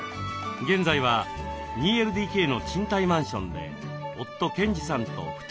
現在は２ＬＤＫの賃貸マンションで夫・賢治さんと２人暮らし。